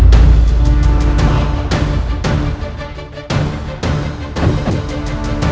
kamu sudah berharga